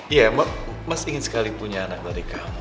iya mas ingin sekali punya anak dari kamu